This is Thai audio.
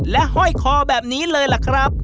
ห้อยคอแบบนี้เลยล่ะครับ